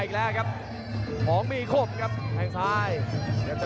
เยียวแล้วพยายามจะตัดล่างแต่ยังไม่ลงครับ